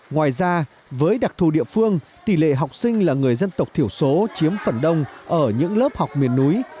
ngoài ra với đặc thù địa phương tỷ lệ học sinh là người dân tộc thiểu số chiếm phần đông ở những lớp học miền núi